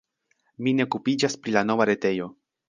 Mi ne okupiĝas pri la nova retejo.